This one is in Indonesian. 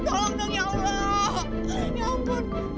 tolong dong ya allah ya ampun